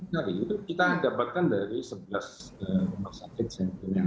jadi kita dapatkan dari sebelas masyarakat sentimen